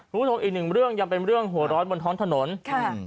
คุณผู้ชมอีกหนึ่งเรื่องยังเป็นเรื่องหัวร้อนบนท้องถนนค่ะ